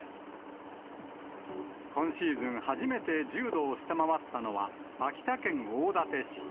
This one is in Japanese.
今シーズン、初めて１０度を下回ったのは、秋田県大館市。